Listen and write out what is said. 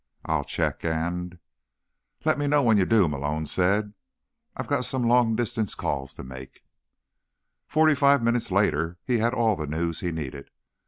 I'll check, and—" "Let me know when you do," Malone said. "I've got some long distance calls to make." Forty five minutes later, he had all the news he needed.